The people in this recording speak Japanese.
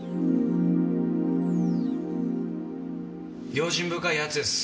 用心深いやつです。